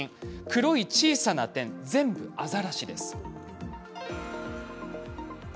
黒い小さい点は全部アザラシです。